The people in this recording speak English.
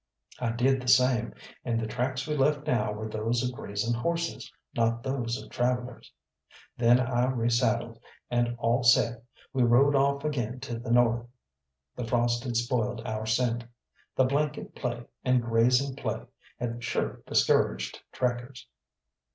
I did the same, and the tracks we left now were those of grazing horses, not those of travellers. Then I resaddled, and all set, we rode off again to the north. The frost had spoiled our scent; the blanket play and grazing play had sure discouraged trackers.